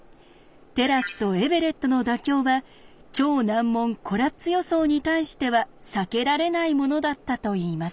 テラスとエベレットの妥協は超難問コラッツ予想に対しては避けられないものだったといいます。